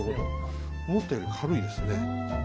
思ったより軽いですね。